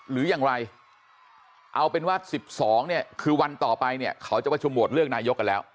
หรืออย่างไรเอาเป็นว่า๑๒เนี่ยคือวันต่อไปเนี่ยเขาจะประชุมโหวตเลือกนายกกันแล้ว